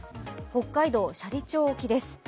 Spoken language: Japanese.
北海道斜里町沖です。